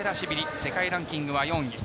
世界ランキングは４位。